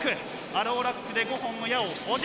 アローラックで５本の矢を補充。